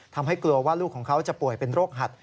ทำให้กลัวว่าลูกของเขาจะป่วยเป็นโรคหัด